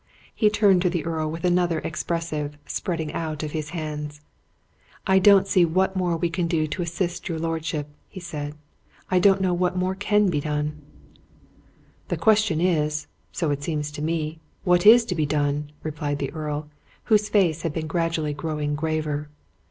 He turned to the Earl with another expressive spreading out of his hands. "I don't see what more we can do to assist your lordship," he said. "I don't know what more can be done." "The question is so it seems to me what is to be done," replied the Earl, whose face had been gradually growing graver.